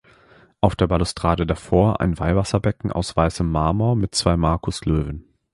Auf der Balustrade davor ein Weihwasserbecken aus weißem Marmor mit zwei Markuslöwen.